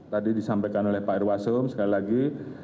tadi disampaikan oleh pak irwasum sekali lagi